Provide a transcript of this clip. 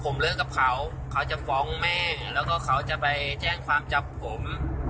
ผมเลิกกับเขาเขาจะฟ้องแม่แล้วก็เขาจะไปแจ้งความจับผม